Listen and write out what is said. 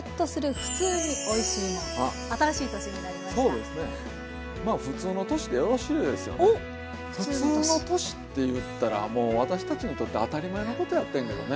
ふつうの年っていったらもう私たちにとって当たり前のことやってんけどね。